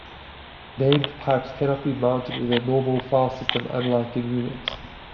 Named pipes cannot be mounted within a normal filesystem, unlike in Unix.